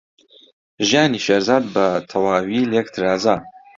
ژیانی شێرزاد بەتەواوی لێک ترازا.